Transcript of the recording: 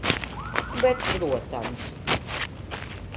Bet protams.